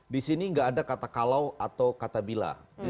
di sini nggak ada kata kalau atau kata bila